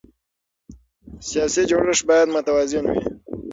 سیاسي جوړښت باید متوازن وي